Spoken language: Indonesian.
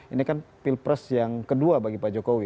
ini kan pilpres yang kedua bagi pak jokowi